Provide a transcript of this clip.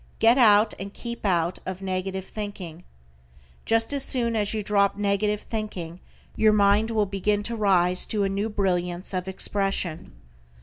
Get out and keep out of negative thinking. Just as soon as you drop negative thinking your mind will begin to rise to a new brilliance of expression.